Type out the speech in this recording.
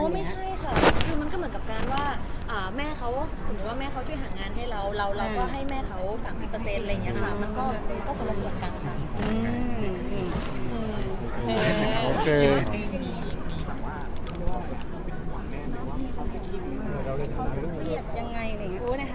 อ๋อไม่ใช่ค่ะคือมันก็เหมือนกับการว่าแม่เขาช่วยหางานให้เราเราก็ให้แม่เขาฝากเปอร์เซ็นต์อะไรอย่างนี้ค่ะ